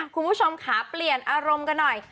คุณผู้ชมค่ะเปลี่ยนอารมณ์กันหน่อย